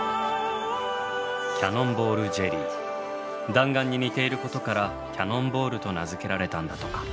弾丸に似ていることからキャノンボールと名付けられたんだとか。